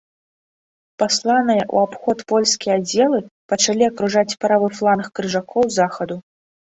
Пасланыя ў абход польскія аддзелы пачалі акружаць правы фланг крыжакоў з захаду.